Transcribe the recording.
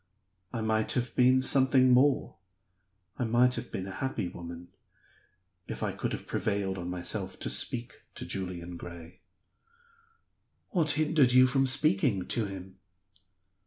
I might have been something more, I might have been a happy woman, if I could have prevailed on myself to speak to Julian Gray." "What hindered you from speaking to him?"